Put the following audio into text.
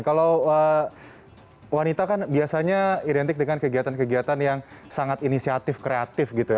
kalau wanita kan biasanya identik dengan kegiatan kegiatan yang sangat inisiatif kreatif gitu ya